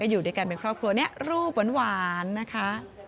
อยู่ด้วยกันเป็นครอบครัวนี้รูปหวานนะคะ